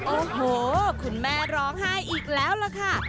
โอ้โหคุณแม่ร้องไห้อีกแล้วล่ะค่ะ